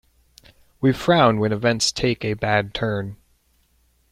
We frown when events take a bad turn.